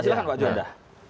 silahkan pak juwanda